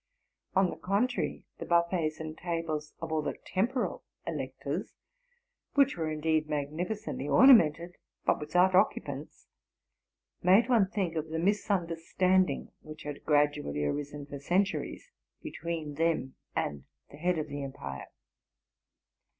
On the contrary, the buffets and tables of all the temporal electors, which were, indeed, mag nificently ornamented, but without occupants, made one think of the misunderstanding which had gradually arisen RELATING TO MY LIFE. 171 for centuries between them and the head of the empire.